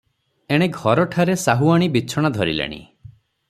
ଏଣେ ଘରଠାରେ ସାହୁଆଣୀ ବିଛଣା ଧରିଲେଣି ।